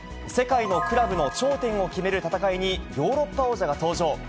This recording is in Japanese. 世界のクラブの頂点を決める戦いにヨーロッパ王者が登場。